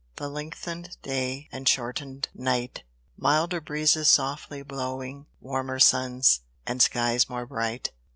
The lengthen'd day and shorten'd night; Milder breezes softly blowing, Warmer suns, and skies more bright.